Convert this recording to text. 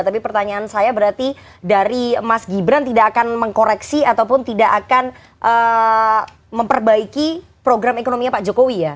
tapi pertanyaan saya berarti dari mas gibran tidak akan mengkoreksi ataupun tidak akan memperbaiki program ekonominya pak jokowi ya